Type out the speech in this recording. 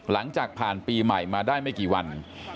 หลังจากผ่านปีใหม่มาได้ไม่กี่วัน